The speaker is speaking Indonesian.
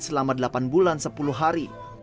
selama delapan bulan sepuluh hari